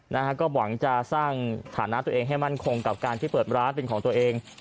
นะฮะก็หวังจะสร้างฐานะตัวเองให้มั่นคงกับการที่เปิดร้านเป็นของตัวเอง